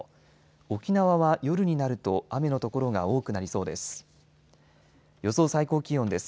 沖縄は夜になると雨の所が多くなりそうです。